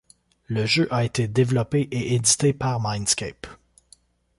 Le jeu a été développé et édité par Mindscape.